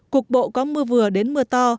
cuộc bộ có mưa vừa đến mưa to